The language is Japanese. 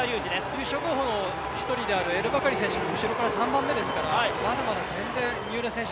優勝候補の１人であるエルバカリ選手が後ろから３番目ですから、まだまだ全然、三浦選手